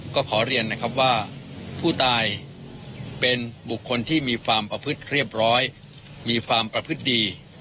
ก็ขอเรียนนะครับว่าผู้ตายเป็นบุคคลที่มีความประพฤติเรียบร้อยมีความประพฤติดี